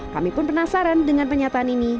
kami pun penasaran dengan penyataan ini